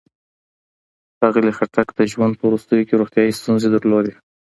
ښاغلي خټک د ژوند په وروستیو کې روغتيايي ستونزې درلودې.